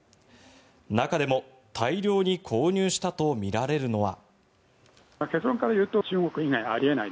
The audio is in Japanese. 中でも大量に購入したとみられるのは。